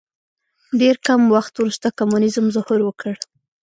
ډېر کم وخت وروسته کمونیزم ظهور وکړ.